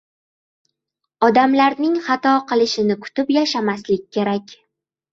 Odamlarning xato qilishini kutib yashamaslik kerak